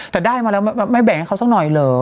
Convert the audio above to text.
แต่ได้มาแล้วไม่แบ่งให้เขาสักหน่อยเหรอ